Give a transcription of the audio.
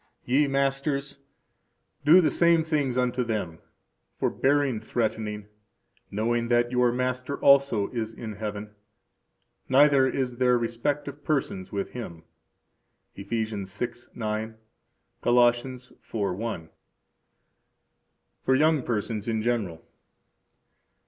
Ye masters, do the same things unto them, forbearing threatening, knowing that your Master also is in heaven; neither is there respect of persons with Him. Eph. 6:9; Col. 4:1. For Young Persons in General.